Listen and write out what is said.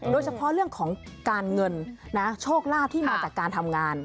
โดยเฉพาะเรื่องของการเงินโชคลาภที่มาจากการทำงาน